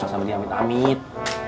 cocok sama dia amin amin